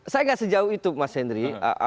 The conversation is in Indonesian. saya nggak sejauh itu mas henry